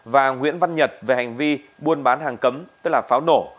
và nguyễn văn nhật về hành vi buôn bán hàng cấm tức là pháo nổ